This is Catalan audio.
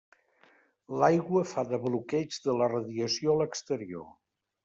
L'aigua fa de bloqueig de la radiació a l'exterior.